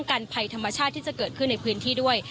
กันภัยธรรมชาติที่จะเกิดขึ้นในพื้นที่ด้วย